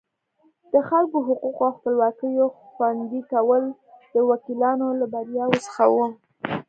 د خلکو حقوقو او خپلواکیو خوندي کول د وکیلانو له بریاوو څخه وو.